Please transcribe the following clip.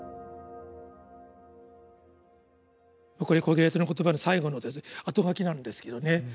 これ「コヘレトの言葉」の最後の「あとがき」なのですけどね。